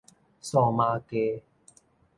數碼雞